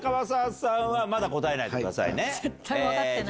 絶対分かってない。